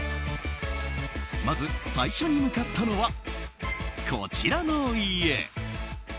まず最初に向かったのはこちらの家。